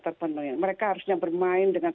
terpenuhi mereka harusnya bermain dengan